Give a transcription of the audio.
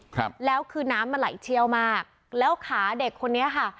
ครับแล้วคือน้ำมันไหลเชี่ยวมากแล้วขาเด็กคนนี้ค่ะ